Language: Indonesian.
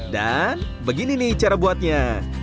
dan begini nih cara buatnya